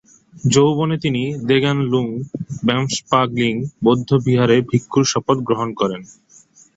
যৌবনে তিনি দ্গোন-লুং-ব্যাম্স-পা-গ্লিং বৌদ্ধবিহারে ভিক্ষুর শপথ গ্রহণ করেন।